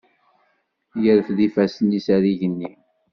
Irfed ifassen-is ar yigenni.